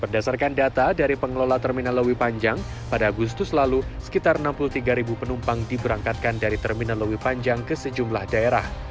berdasarkan data dari pengelola terminal lewi panjang pada agustus lalu sekitar enam puluh tiga penumpang diberangkatkan dari terminal lewi panjang ke sejumlah daerah